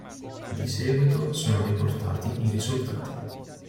Di seguito sono riportati i risultati.